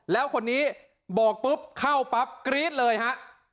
แล้วคนนี้บอกปุ๊บเข้าปั๊บกรี๊ดเลยฮะ